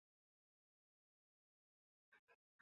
Annie's death was a terrible blow for her parents.